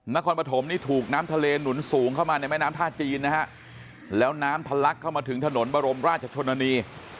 นครปฐมนี่ถูกน้ำทะเลหนุนสูงเข้ามาในแม่น้ำท่าจีนนะฮะแล้วน้ำทะลักเข้ามาถึงถนนบรมราชชนนี